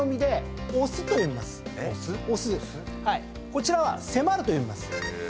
こちらは拶ると読みます。